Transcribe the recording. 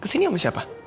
ke sini sama siapa